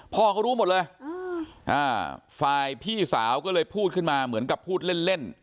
พ่อเขารู้หมดเลยฝ่ายพี่สาวก็เลยพูดขึ้นมาเหมือนกับพูดเล่นเล่น